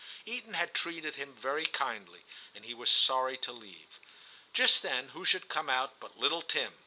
Eton had treated him very kindly, and he was sorry to leave. Just then who should come out but little Tim.